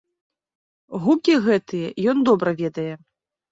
Гукі гэтыя ён добра ведае!